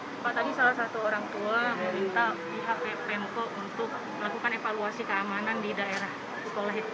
bapak tadi salah satu orang tua meminta pihak pemkot untuk melakukan evaluasi keamanan di daerah sekolah itu